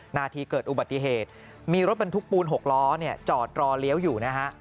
นาทีเกิดอุบัติเหตุมีรถบรรทุกปูน๖ล้อจอดรอเลี้ยวอยู่นะฮะ